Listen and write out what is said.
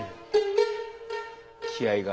気合いが。